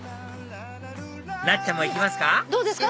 なっちゃんも行きますか？